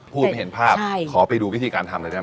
ไม่เห็นภาพขอไปดูวิธีการทำเลยได้ไหม